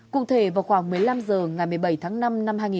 cụ thể vào khoảng một mươi năm h ngày một mươi bảy tháng năm năm hai nghìn hai mươi